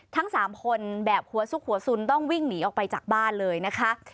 ทั้ง๓คนแบบหัวซุกหัวสุนต้องวิ่งหนีออกไปจากบ้านเลยนะคะ